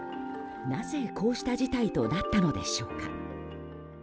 なぜ、こうした事態となったのでしょうか。